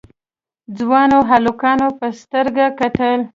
ځوانو هلکانو په سترګه کتل.